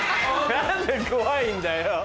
何で怖いんだよ。